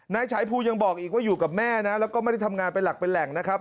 ฉายภูยังบอกอีกว่าอยู่กับแม่นะแล้วก็ไม่ได้ทำงานเป็นหลักเป็นแหล่งนะครับ